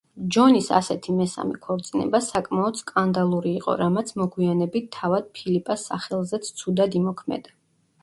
ჯონის ასეთი მესამე ქორწინება საკმაოდ სკანდალური იყო, რამაც მოგვიანებით თავად ფილიპას სახელზეც ცუდად იმოქმედა.